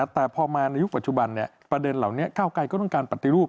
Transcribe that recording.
แต่พอมาในยุคปัจจุบันประเด็นเหล่านี้ก้าวไกรก็ต้องการปฏิรูป